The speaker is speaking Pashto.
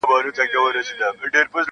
o راسه چي دي حسن ته جامې د غزل وا غوندم,